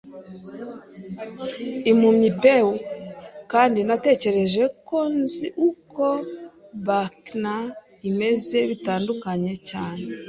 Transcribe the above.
impumyi, Pew, kandi natekereje ko nzi uko buccaneer imeze - bitandukanye cyane